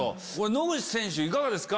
野口選手いかがですか？